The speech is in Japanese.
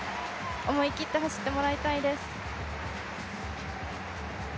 思い切って走ってもらいたいです。